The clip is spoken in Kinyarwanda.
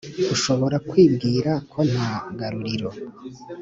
Ushobora kwibwira ko nta garuriro